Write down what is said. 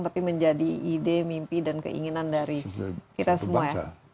tapi menjadi ide mimpi dan keinginan dari kita semua ya